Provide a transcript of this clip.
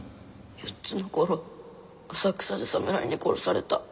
４つの頃浅草で侍に殺された。